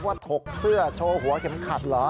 ถกเสื้อโชว์หัวเข็มขัดเหรอ